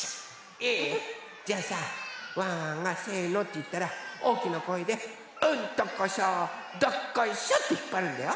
いい？じゃあさワンワンが「せの」っていったらおおきなこえで「うんとこしょどっこいしょ」ってひっぱるんだよ？